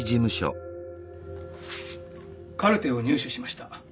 カルテを入手しました。